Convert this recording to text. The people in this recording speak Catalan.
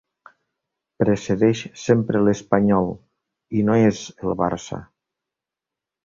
Precedeix sempre l'Espanyol, i no és el Barça.